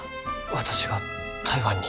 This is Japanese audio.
私が台湾に？